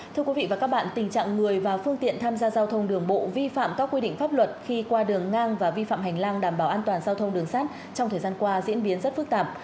thưa quý vị và các bạn tình trạng người và phương tiện tham gia giao thông đường bộ vi phạm các quy định pháp luật khi qua đường ngang và vi phạm hành lang đảm bảo an toàn giao thông đường sát trong thời gian qua diễn biến rất phức tạp